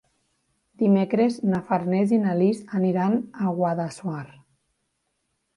Dimecres na Farners i na Lis aniran a Guadassuar.